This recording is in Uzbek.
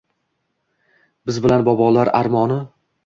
Biz bilan bobolar armoni